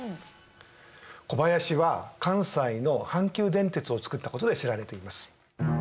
小林は関西の阪急電鉄をつくったことで知られています。